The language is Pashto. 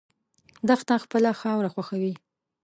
دښته خپله خاوره خوښوي.